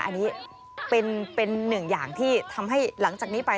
อันนี้เป็นหนึ่งอย่างที่ทำให้หลังจากนี้ไป